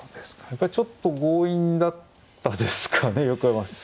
やっぱりちょっと強引だったですかね横山さん。